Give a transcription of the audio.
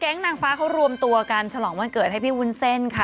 นางฟ้าเขารวมตัวกันฉลองวันเกิดให้พี่วุ้นเส้นค่ะ